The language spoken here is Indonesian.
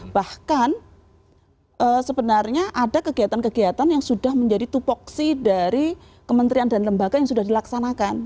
bahkan sebenarnya ada kegiatan kegiatan yang sudah menjadi tupoksi dari kementerian dan lembaga yang sudah dilaksanakan